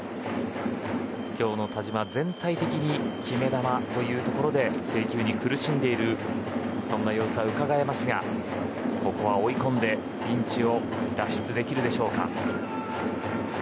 今日の田嶋、全体的に決め球というところで制球に苦しんでいる様子がうかがえますがここは追い込んでピンチを脱出できるか。